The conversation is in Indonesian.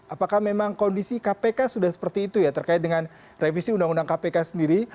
apakah memang kondisi kpk sudah seperti itu ya terkait dengan revisi undang undang kpk sendiri